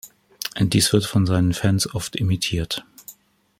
Dies wird von seinen Fans oft imitiert.